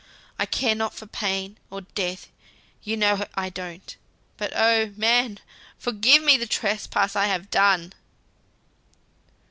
I care not for pain, or death, you know I don't; but oh, man! forgive me the trespass I have done!"